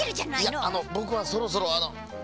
いやあのぼくはそろそろあのああ。